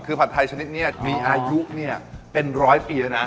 คือผัดไทยชนิดนี้มีอายุเป็นร้อยปีแล้วนะ